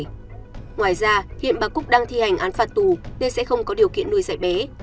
ngoài ra hiện bà cúc đang thi hành án phạt tù nên sẽ không có điều kiện nuôi giải bé